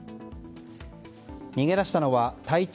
逃げ出したのは体長